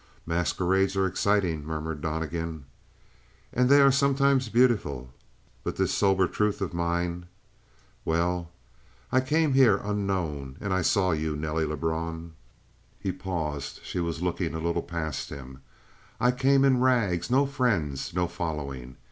"Masquerades are exciting," murmured Donnegan. "And they are sometimes beautiful." "But this sober truth of mine " "Well?" "I came here unknown and I saw you, Nelly Lebrun." He paused; she was looking a little past him. "I came in rags; no friends; no following.